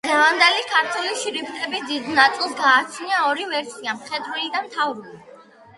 დღევანდელი ქართული შრიფტების დიდ ნაწილს გააჩნია ორი ვერსია, მხედრული და მთავრული.